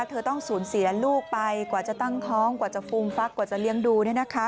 เธอต้องสูญเสียลูกไปกว่าจะตั้งท้องกว่าจะฟูมฟักกว่าจะเลี้ยงดู